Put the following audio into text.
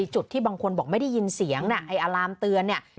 จุดที่บางคนบอกไม่ได้ยินเสียงอาลามเตือน